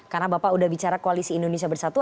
karena bapak sudah bicara koalisi indonesia bersatu